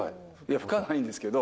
深ないんですけど。